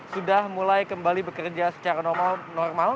sudah mulai kembali bekerja secara normal